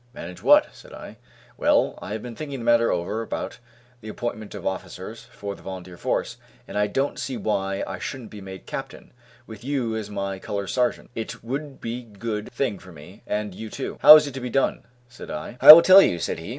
"Manage what?" said I. "Well, I have been thinking the matter over about the appointment of officers for the volunteer force, and I don't see why I shouldn't be made captain, with you as my color sergeant. It would be good thing for me, and you too." "How is it to be done," said I. "I will tell you," said he.